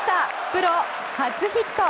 プロ初ヒット。